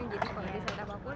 jadi kalau disertapapun